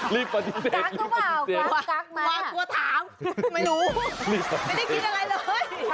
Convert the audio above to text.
รีบปฏิเสธรีบปฏิเสธวางตัวถามไม่รู้ไม่ได้คิดอะไรเลย